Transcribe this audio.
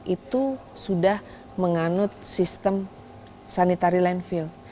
itu sudah menganut sistem sanitary landfill